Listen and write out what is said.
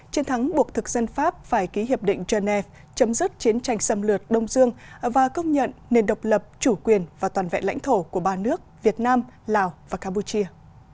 chiến thắng buộc thực dân pháp phải ký hiệp định genève chấm dứt chiến tranh xâm lược đông dương và công nhận nền độc lập chủ quyền và toàn vẹn lãnh thổ của ba nước việt nam lào và campuchia